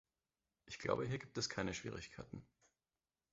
Ich glaube, hier gibt es keine Schwierigkeiten.